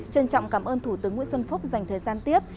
trân trọng cảm ơn thủ tướng nguyễn xuân phúc dành thời gian tiếp